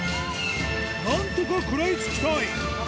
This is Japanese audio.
なんとか食らいつきたい